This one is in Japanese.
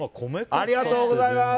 ありがとうございます。